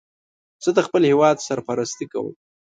زه د خپل هېواد سرپرستی کوم